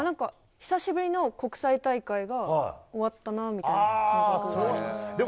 久しぶりの国際大会が終わったなみたいな感覚です。